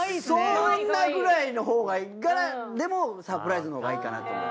そんなぐらいのほうがいいからでもサプライズのほうがいいかなと。